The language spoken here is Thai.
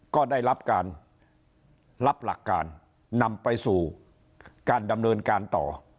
ก็ได้รับการรับหลักการนำไปสู่การดำเนินการต่อ